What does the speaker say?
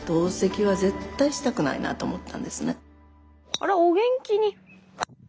あらお元気に。